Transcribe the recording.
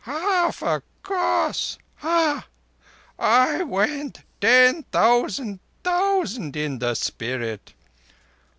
"Half a koss. Ha! I went ten thousand thousand in the spirit.